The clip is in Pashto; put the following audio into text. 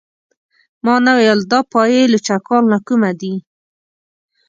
ما نه ویل دا پايي لچکان له کومه دي.